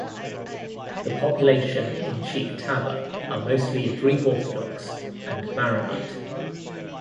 The population in Cheikh Taba are mostly Greek Orthodox and Maronite.